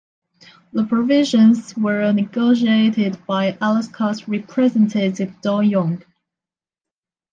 The provisions were negotiated by Alaska's Representative Don Young.